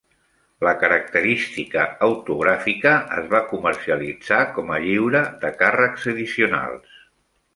La característica autogràfica es va comercialitzar com a lliure de càrrecs addicionals.